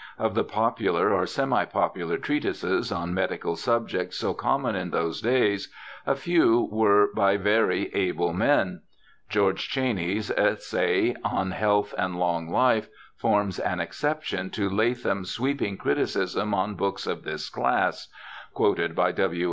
Of the popular or semi popular treatises on medical subjects so common in those days, a few were by very able men. George Cheyne's Essay on Health and Long Life forms an exception to Latham's sweeping criticism on books of this class (quoted by W.